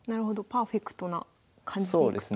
パーフェクトな感じでいくと。